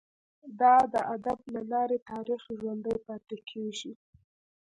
د ادب له لاري تاریخ ژوندي پاته کیږي.